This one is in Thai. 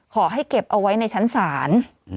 ขอให้เก็บเอาไว้ในชั้นศาล